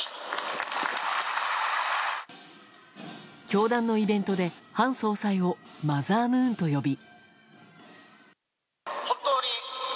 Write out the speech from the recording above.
教団のイベントで韓総裁をマザームーンと呼び。